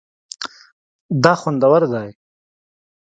دا خوندور دی